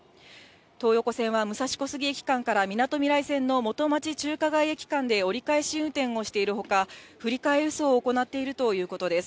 東横線は武蔵小杉駅間からみなとみらい線の元町・中華街駅間で折り返し運転をしているほか、振り替え輸送を行っているということです。